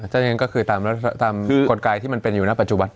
จริงก็คือตามกฎกายที่มันเป็นอยู่นะปัจจุบัน